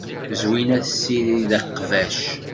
Zwina tessirid iqbac.